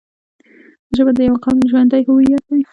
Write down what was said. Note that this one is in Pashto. ژبه د یوه قوم ژوندی هویت دی